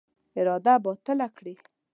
اراده باطله کړي.